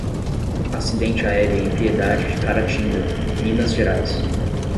Acidente aéreo em Piedade de Caratinga, Minas Gerais